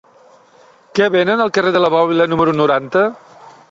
Què venen al carrer de la Bòbila número noranta?